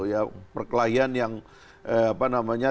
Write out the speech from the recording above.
ya perkelahian yang apa namanya